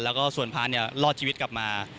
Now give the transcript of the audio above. แล้วก็ส่วนพานรอดชีวิตกลับมา